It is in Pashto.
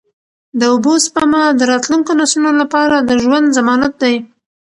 د اوبو سپما د راتلونکو نسلونو لپاره د ژوند ضمانت دی.